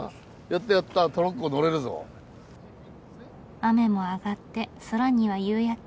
雨も上がって空には夕焼け。